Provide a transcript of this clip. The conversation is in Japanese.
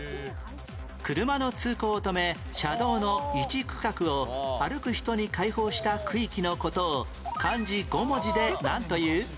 車の通行を止め車道の一区画を歩く人に開放した区域の事を漢字５文字でなんという？